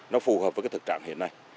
nó phù hợp với cái thực trạng hiện nay